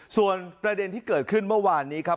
ส่วนประเด็นที่เกิดขึ้นเมื่อวานนี้ครับ